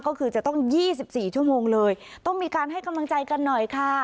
ก็คือจะต้อง๒๔ชั่วโมงเลยต้องมีการให้กำลังใจกันหน่อยค่ะ